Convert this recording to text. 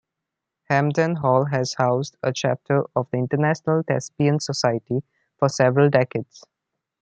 Hamden Hall has housed a chapter of the International Thespian Society for several decades.